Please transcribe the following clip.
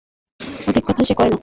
অধিক কথা সে কয় না।